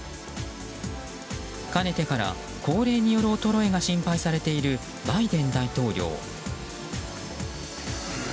かねてから高齢による衰えが心配されているバイデン大統領。